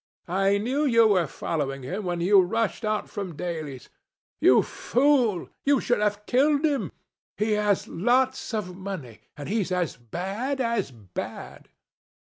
"I knew you were following him when you rushed out from Daly's. You fool! You should have killed him. He has lots of money, and he's as bad as bad."